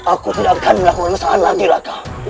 aku tidak akan melakukan kesalahan lagi raka